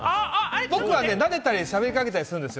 僕はね、なでたり喋りかけたりするんです。